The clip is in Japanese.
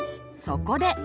そこで！